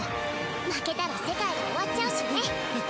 負けたら世界が終わっちゃうしね。